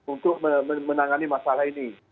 untuk menangani masalah ini